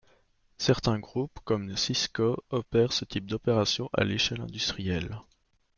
Certains groupes, comme Cisco, opèrent ce type d'opération à l'échelle industrielle.